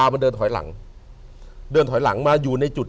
อ่าเดินหน้าปื๊ด